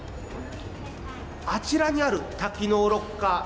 あちらにある多機能ロッカー。